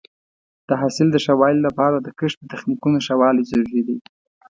د حاصل د ښه والي لپاره د کښت د تخنیکونو ښه والی ضروري دی.